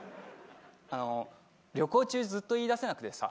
あの旅行中ずっと言いだせなくてさ。